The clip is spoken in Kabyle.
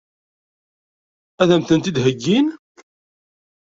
Ad m-tent-id-heggin?